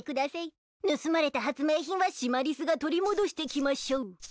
盗まれた発明品はシマリスが取り戻してきましょう。